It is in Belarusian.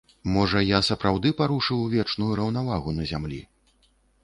Можа, я сапраўды парушыў вечную раўнавагу на зямлі?